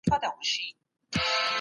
ښوونه او روزنه باید معیاري سي.